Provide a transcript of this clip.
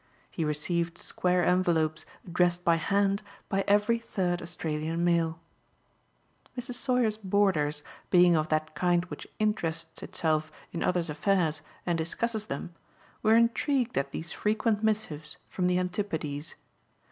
He received square envelopes addressed by hand by every third Australian mail. Mrs. Sauer's boarders, being of that kind which interests itself in others' affairs and discusses them, were intrigued at these frequent missives from the Antipodes.